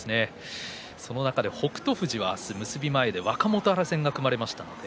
その中で北勝富士は明日、結び前で若元春戦が組まれました。